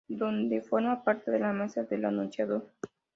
Donde forma parte de la mesa del anunciador.